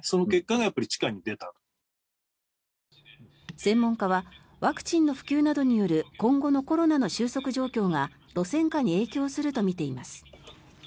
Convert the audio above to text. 専門家はワクチンの普及などによる今後のコロナの収束状況が路線価に影響するとみています。